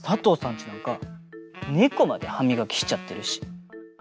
ちなんかねこまではみがきしちゃってるし。